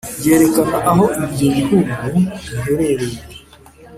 yerekana aho ibyo bihugu biherereye.